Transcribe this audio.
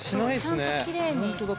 ちゃんときれいに。